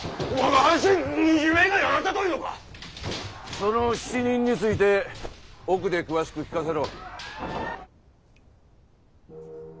その７人について奥で詳しく聞かせろ。